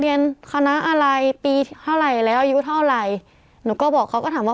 เรียนคณะอะไรปีเท่าไหร่แล้วอายุเท่าไหร่หนูก็บอกเขาก็ถามว่า